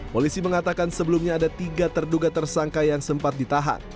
polisi mengatakan sebelumnya ada tiga terduga tersangka yang sempat ditahan